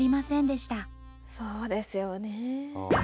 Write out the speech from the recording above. そうですよね。